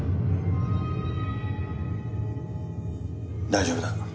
大丈夫だ。